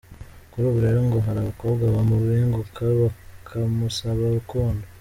Kuri ubu rero ngo hari abakobwa bamubenguka bakamusaba urukundo.